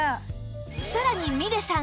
さらにみれさん